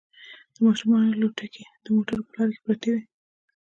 د ماشومانو لوبتکې د موټر په لاره کې پرتې وي